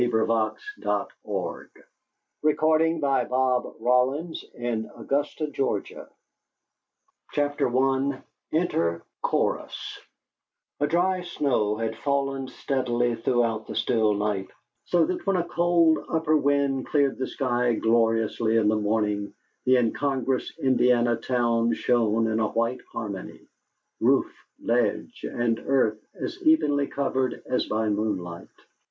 THE JURY COMES IN XXVI. "ANCIENT OF DAYS" THE CONQUEST OF CANAAN I ENTER CHORUS A dry snow had fallen steadily throughout the still night, so that when a cold, upper wind cleared the sky gloriously in the morning the incongruous Indiana town shone in a white harmony roof, ledge, and earth as evenly covered as by moonlight.